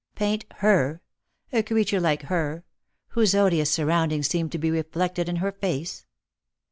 Paint her — a creature like her — whose odious suroundings seemed to he reflected in her face